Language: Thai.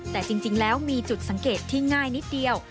แต่จริงแล้วมีจุดสังเกตที่ง่ายนิดเดียว